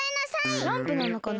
スランプなのかな。